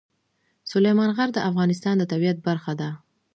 سلیمان غر د افغانستان د طبیعت برخه ده.